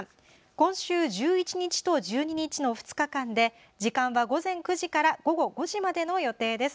今週１１日と１２日の２日間で時間は午前９時から午後５時までの予定です。